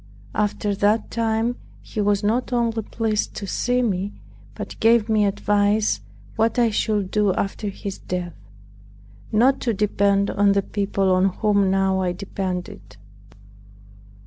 After that time he was not only pleased to see me, but gave me advice what I should do after his death; not to depend on the people on whom now I depended.